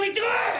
はい！